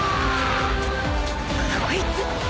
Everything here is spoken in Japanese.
こいつ